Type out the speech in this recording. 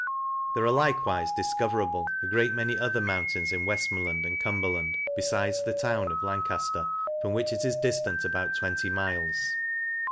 There are like wife, discoverable a great many other mountains in Weftmorland and Cun.bcrlandy befides the town of Lancafter ', from which it is diftant about 20 miles.